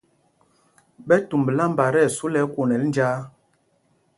Ɓɛ tumb lámba tí ɛsu lɛ ɛkwonɛl njāā.